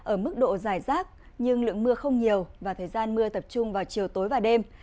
ở mức độ dài rác nhưng lượng mưa không nhiều và thời gian mưa tập trung vào chiều tối và đêm